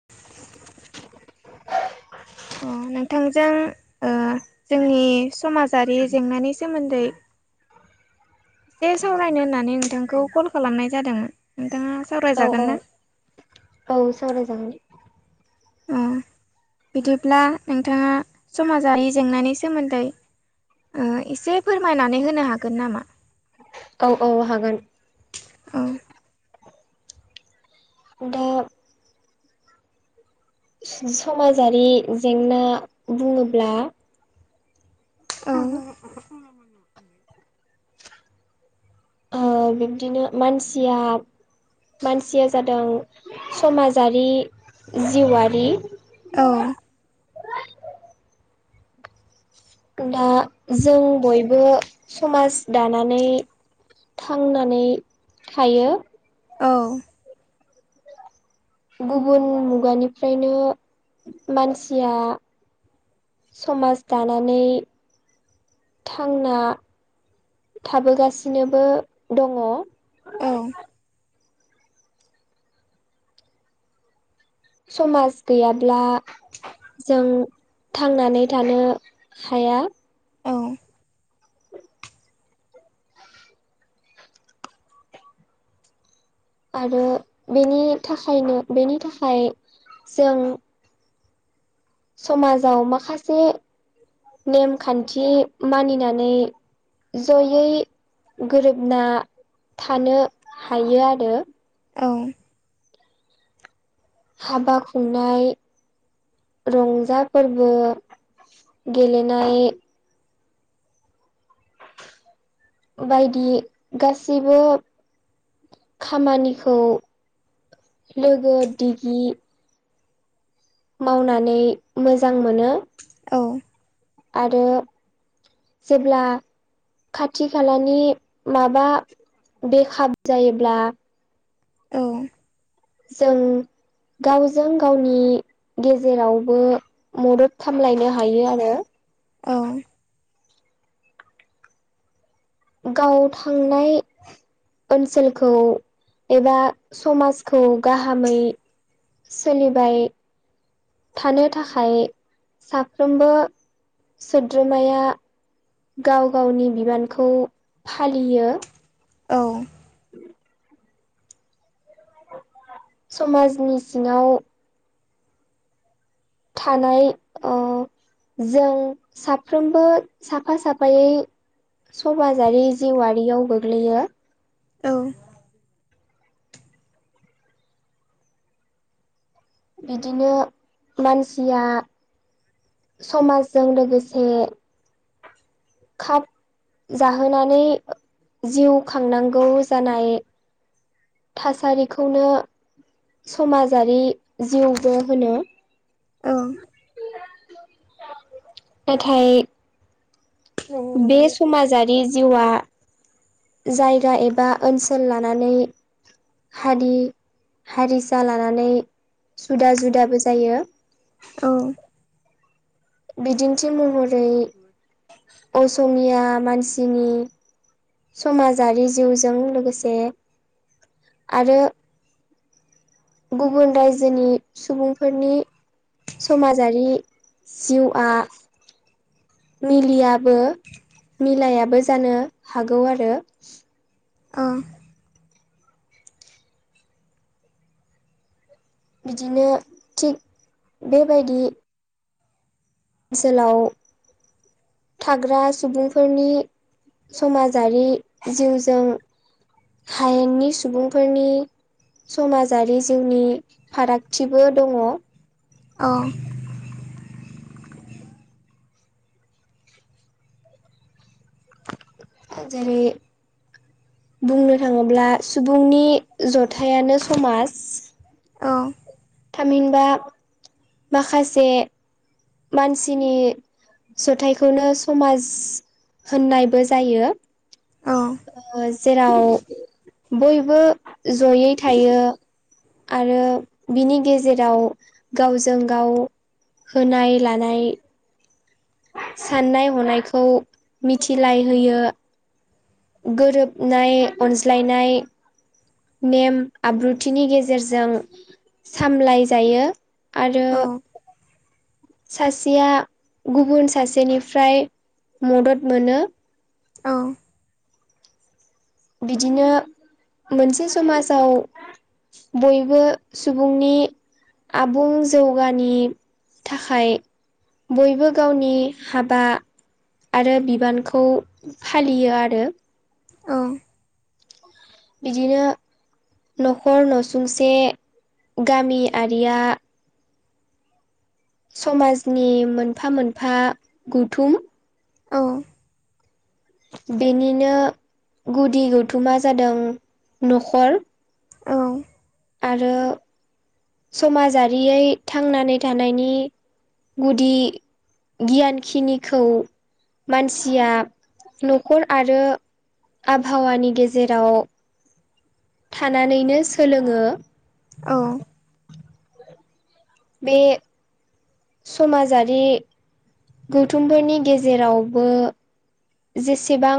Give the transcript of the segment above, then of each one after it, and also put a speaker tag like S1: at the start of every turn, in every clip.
S1: [inaudible]
S2: अ नोंथांजों ओ जोंनि समाजारि जेंनानि सोमोन्दै एसे सावरायनो होननानै नोंथांखौ कल खालामनाय जादोंमोन। नोंथाङा
S1: औ
S2: सावरायजागोन
S1: औ
S2: ना?
S1: औ सावरायजागोन
S2: अ
S1: [inaudible]
S2: बिदिब्ला नोंथाङा समाजारि जेंनानि सोमोन्दै ओ एसे फोरमायनानै होनो हागोन नामा?
S1: औ औ हागोन
S2: औ
S1: दे समाजारि जेंना बुङोब्ला
S2: ओं
S1: ओ बिब्दिनो मानसिया मानसिया जादों समाजारि जिउआरि
S2: औ
S1: दा जों बयबो समाज दानानै थांनानै थायो।
S2: औ
S1: गुबुन मुगानिफ्रायनो मानसिया समाज दानानै थांना थाबोगासिनोबो दङ।
S2: औ
S1: समाज गैयाब्ला जों थांनानै थानो हाया।
S2: औ
S1: आरो बेनि थाखायनो बेनि थाखाय जों समाजाव माखासे नेमखान्थि मानिनानै जयै गोरोबना थानो हायो आरो
S2: औ
S1: हाबा खुंनाय। रंजा फोरबो गेलेनाय बायदि गासैबो खामानिखौ लोगो दिगि मावनानै मोजां मोनो।
S2: औ
S1: आरो जेब्ला खाथि खालानि माबा बेखाबु जायोब्ला
S2: औ
S1: जों गावजों गावनि गेजेरावबो मदद खामलायनो हायो आरो।
S2: औ
S1: गाव थांनाय ओनसोलखौ एबा समाजखौ गाहामै सोलिबाय थानो थाखाय साफ्रोमबो सोद्रोमाया गाव गावनि बिबानखौ फालियो।
S2: औ
S1: समाजनि सिङाव थानाय ओ जों साफ्रोमबो साफा साफायै समाजारि जिउआारियाव गोग्लैयो।
S2: औ
S1: बिदिनो मानसिया समाजजों लोगोसे खाब जाहोनानै जिउ खांनांगौ जानाय थासारिखौनो समाजारि जिउबो होनो
S2: औ
S1: नाथाय बे समाजारि जिउआ जाय गा एबा ओनसोल लानानै हारि हारिसा लानानै जुदा जुदाबो जायो।
S2: औ
S1: बिदिन्थि महरै असमिया मानसि नि समाजारि जिउजों लोगोसे आरो गुबुन रायजोनि सुबुंफोरनि समाजारि जिउआ मिलियाबो मिलायाबो जानो हागौ आरो।
S2: औ
S1: बिदिनो थिग बेबायदि ओनसोलाव थाग्रा सुबुंफोरनि समाजारि जिउजों हायेननि सुबुंफोरनि समाजारि जिउनि फारागथिबो दङ।
S2: औ
S1: जेरै बुंनो थाङोब्ला सुबुंनि जथायानो समाज थामहिनबा माखासे मानसिनि जथायाइखौनो समाज होननायबो जायो। ओ जेराव बयबो जयै थायो‌। आरो बिनि गेजेराव गावजों गाव होनाय लानाय साननाय हनायखौ मिथिलाय होयो। गोरोबनाय अनज्लायनाय नेम आब्रुथिनि गेजेरजों सामलाय जायो। आरो सासेया गुबुन सासेनिफ्राय मदद मोनो।
S2: औ
S1: बिदिनो मोनसे समाजाव बयबो सुबुंनि आबुं जौगानि थाखाय बयबो गावनि हाबा आरो बिबानखौ फालियो आरो।
S2: औ
S1: बिदिनो न'खर नसुंसे गामिआरिया समाजनि मोनफा मोनफा गुथुम
S2: औ
S1: बेनिनो गुदि गौथुमा जादों न'खर।
S2: औ
S1: आरो समाजारियै थांनानै थानायनि गुदि गियानखिनिखौ मानसिया न'खर आरो आबहावानि गेजेराव थानानैनो सोलोङो।
S2: औ
S1: बे समाजारि गौथुमफोरनि गेजेरावबो जेसेबां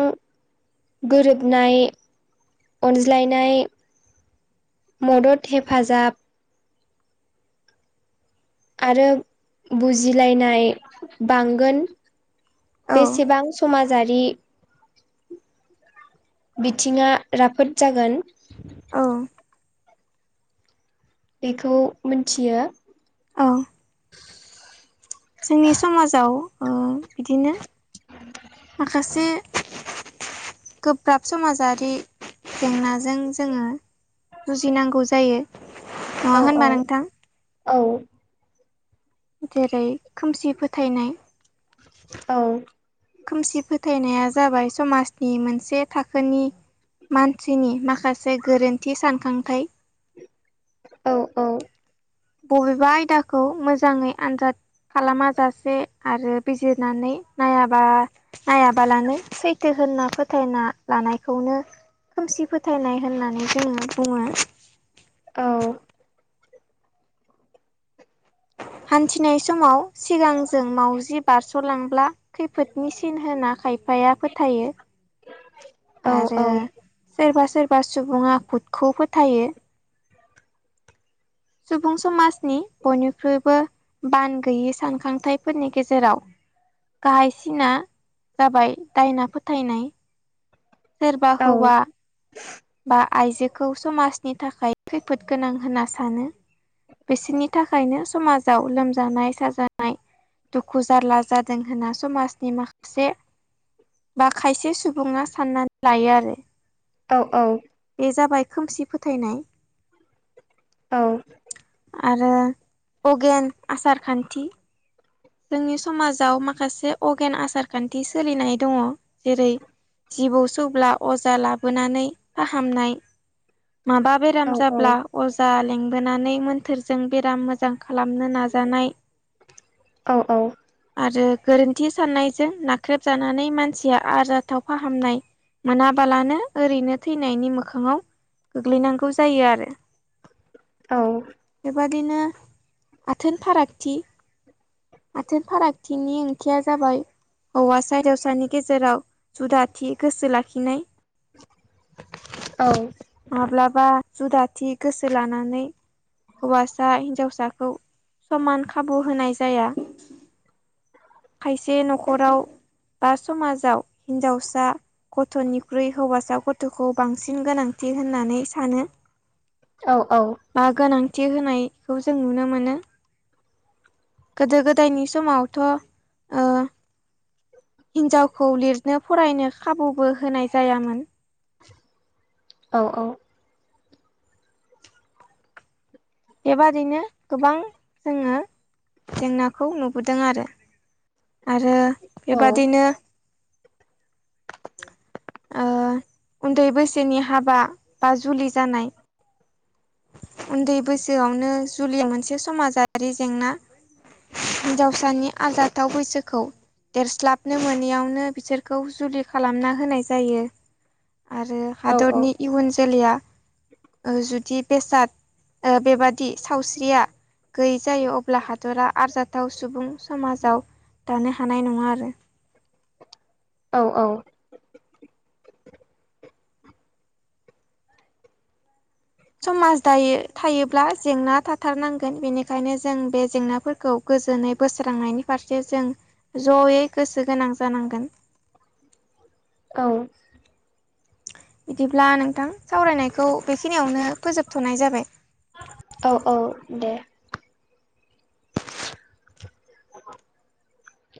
S1: गोरोबनाय अनज्लायनाय मदद हेफाजाब आरो बुजिलायनाय बांगोन।
S2: औ
S1: बेसेबां समाजारि बिथिङा राफोद जागोन
S2: औ
S1: बेखौ मिथियो।
S2: औ
S1: [unintelligible]
S2: जोंनि समाजाव बिदिनो माखासे गोब्राब समाजारि जेंनाजों जोङो जुजिनांगौ जायो नङा
S1: औ औ
S2: होनबा नोंथां?
S1: औ
S2: जेरै खोमसि फोथायनाय
S1: औ
S2: खोमसि फोथायनाया जाबाय समाजनि मोनसे थाखोनि मानसिनि माखासे गोरोन्थि सानखांथाय
S1: [unintelligible] औ औ
S2: बबेबा आयदाखौ मोजाङै आनजाद खालाम जासे आरो बिजिरनानै नायाबा नायाबालानो सैथो दोनना फोथायना लानायखौनो खोमसि फोथायनाय होननानै जोङो बुङो
S1: औ [inaudible]
S2: हान्थिनाय समाव सिगांजों मावउजि बारस'लांब्ला खैफोदनि सिन होना खाय फाया फोथायो आरो
S1: औ
S2: सोरबा सोरबा सुबुङा भुदखौ फोथायो सुबुं समाजनि बयनिख्रुइबो बान गैयि सानखांथाइफोरनि गेजेराव गाहायसिना जाबाय दायना फोथायनाय सोरबा
S1: औ
S2: हौवा बा आइजोखौ समाजनि थाखाय खैफोद गोनां होनना सानो बिसिनि थाखायनो समाजाव लोमजानाय साजानाय दुखु जारला जादों होनना समाजनि माखासे बा खायसे सुबुङा साननानै लायो आरो
S1: औ औ
S2: बे जाबाय खोमसि फोथायनाय
S1: औ
S2: आरो अगेन आसार खान्थि जोंनि समाजाव माखासे अगेन आसार खान्थि सोलिनाय दङ जेरै जिबौ सौब्ला अजा लाबोनानै फाहामनाय माबा
S1: औ
S2: बेराम जाब्ला अजा लेंबोनानै मोन्थोरजों बेराम मोजां खालामनो नाजानाय
S1: औ औ
S2: आरो गोरोन्थि साननायजों नाख्रेबजानानै मानसिया आरजाथाव फाहामनाय मोनाबालानो ओरैनो थैनायनि मोखाङाव गोग्लैनांगौ जायो आरो
S1: औ
S2: बेबादिनो आथोन फारागथि आथोन फारागथिनि ओंथिया जाबाय हौवासा हिजावसानि गेजेराव जुदाथि गोसो लाखिनाय
S1: औ
S2: माब्लाबा जुदाथि गोसो लानानै हौवासा हिन्जावसाखौ समान खाबु होनाय जाया खायसे नखराव बा समाजाव हिन्जावसा गथ'निख्रुइ हौवासा गथ'खौ बांसिन गोनां होननानै सानो
S1: औ औ
S2: बिदि होनायखौ जों नुनो मोनो गोदो गोदायनि समावथ' ओ हिनजावखौ लिरनो फरायनो खाबुबो होनाय जायामोन
S1: औ औ
S2: बेबादिनो गोबां जोङो जेंनाखौ नुबोदों आरो आरो बेबादिनो ओ उन्दै बैसोनि हाबा बा जुलि जानाय उन्दै बैसोआवनो जुलि मोनसे समाजारि जेंना हिनजावसानि आरजाथाव बैसोखौ देरस्लाबनो मोनैयावनो बिसोरखौ जुलि खालामना होनाय जायो आरो हादरनि इयुन जोलैया ओ जुदि बेसाद ओ बेबादि सावस्रिया गैयै जायो अब्ला हादरा आरजाथाव सुबुं समाजाव दानो हानाय नङा आरो।
S1: औ औ
S2: समाज दायो थायोब्ला जेंना थाथारनांगोन बेनिखायनो जों बे जेंनाफोरखौ गोजोनै बोस्रांनायनि फारसे जों जयै गोसो गोनां जानांगोन।
S1: औ
S2: बिदिब्ला नोंथां सावरायनायखौ बे खिनियावनो फोजोबथ'नाय जाबाय।
S1: औ औ दे [unintelligible]